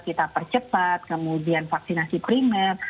kita percepat kemudian vaksinasi primer